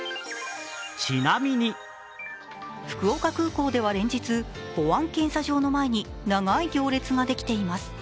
福岡空港では連日、保安検査所の前に長い行列ができています。